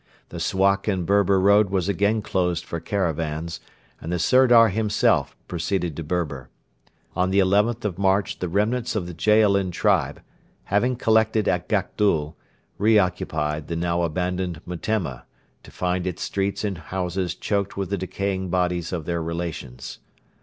The Suakin Berber road was again closed for caravans, and the Sirdar himself proceeded to Berber. On the 11th of March the remnants of the Jaalin tribe, having collected at Gakdul, re occupied the now abandoned Metemma, to find its streets and houses choked with the decaying bodies of their relations.